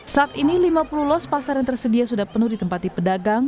saat ini lima puluh los pasar yang tersedia sudah penuh ditempati pedagang